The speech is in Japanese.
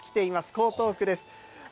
江東区です。